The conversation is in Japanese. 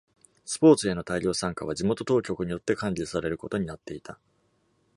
スポーツへの大量参加は、地元当局によって管理されることになっていた。